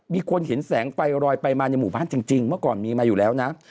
มีคนเห็นแสงไฟลอยไปมาในหมู่บ้านจริงเมื่อก่อนมีมาอยู่แล้วนะ